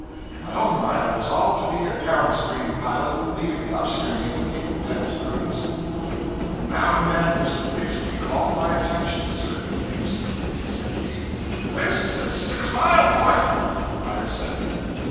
In my own mind I resolved to be a down stream pilot and leave the up streaming to people dead to prudence. Now and then Mr. Bixby called my attention to certain things. Said he, 'This is Six Mile Point.' I assented.